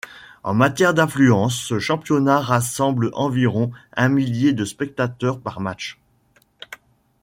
En matière d'affluence, ce championnat rassemble environ un millier de spectateurs par match.